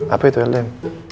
apa itu ldm